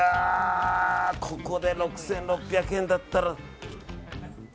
ここで６６００円だったら。